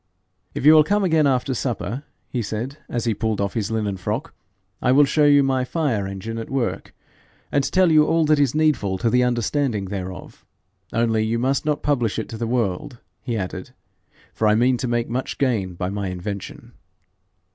'If you will come again after supper,' he said, as he pulled off his linen frock, 'I will show you my fire engine at work, and tell you all that is needful to the understanding thereof; only you must not publish it to the world,' he added, 'for I mean to make much gain by my invention.'